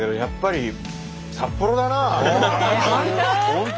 本当？